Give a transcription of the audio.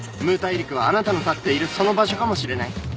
ムー大陸はあなたの立っているその場所かもしれない。